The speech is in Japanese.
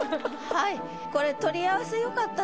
はい。